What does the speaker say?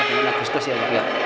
dia berjaya dengan agustus ya ya